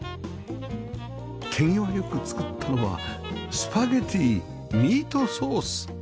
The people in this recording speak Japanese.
手際良く作ったのはスパゲティ・ミートソース